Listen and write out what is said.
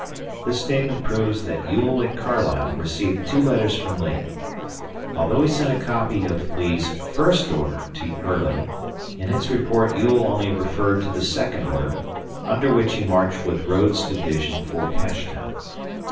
This statement proves that Ewell at Carlisle received two letters from Lee. Although he sent a copy of Lee's first order to Early, in his report Ewell only referred to the second order under which he marched with Rodes's division for Cashtown.